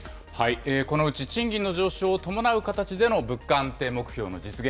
このうち賃金の上昇を伴う形での物価安定目標の実現。